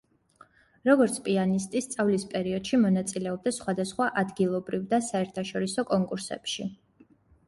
როგორც პიანისტი, სწავლის პერიოდში მონაწილეობდა სხვადასხვა ადგილობრივ და საერთაშორისო კონკურსებში.